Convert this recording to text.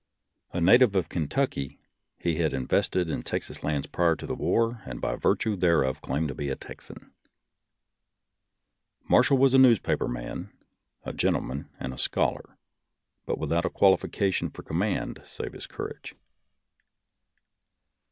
A native of Kentucky, he had invested in Texas lands prior to the war, and by virtue thereof claimed to be a Texan. Marshall was a newspaper man, a gentleman and a scholar, but without a qualification for command, save his courage.